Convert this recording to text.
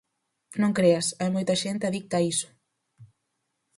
Non creas, hai moita xente adicta a iso...